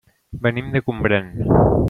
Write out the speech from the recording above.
Venim de Gombrèn.